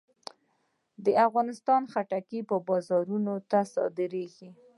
د افغانستان خټکی بازارونو ته صادرېږي.